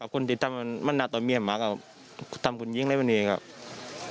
คนติดกันมันหนาตัวเมียมากอะทำคุณยิงได้วันนี้ครับ